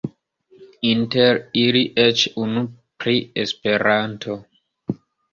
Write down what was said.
Inter ili eĉ unu pri Esperanto.